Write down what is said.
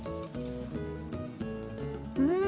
うん！